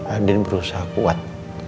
andin berusaha kuat